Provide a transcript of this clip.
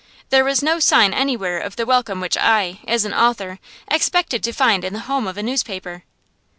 There was no sign anywhere of the welcome which I, as an author, expected to find in the home of a newspaper.